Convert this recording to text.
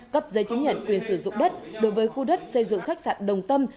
cấp giấy chứng nhận quyền sử dụng đất đối với khu đất xây dựng khách sạn đồng tâm